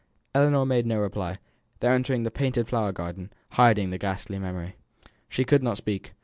Ellinor made no reply. They were entering the painted flower garden, hiding the ghastly memory. She could not speak.